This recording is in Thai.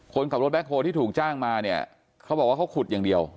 คนขับรถแบ็คโฮที่ถูกจ้างมาเนี่ยเขาบอกว่าเขาขุดอย่างเดียว